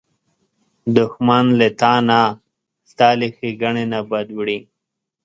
دښمن له تا نه، ستا له ښېګڼې نه بد وړي